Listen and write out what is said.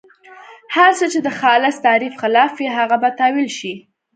هر څه چې د خالص تعریف خلاف وي هغه به تاویل شي.